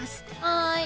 はい。